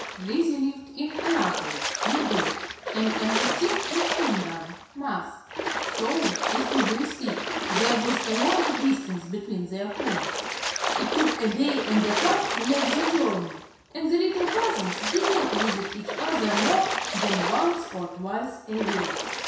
Lizzie lived in Annapolis, Md., and Ernestine in Hingham, Mass., so, as you will see, there was a long distance between their homes. It took a day and a half to make the journey, and the little cousins did not visit each other more than once or twice a year.